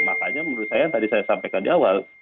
makanya menurut saya yang tadi saya sampaikan di awal